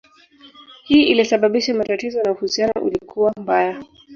Hii ilisababisha matatizo na uhusiano ulikuwa mbaya.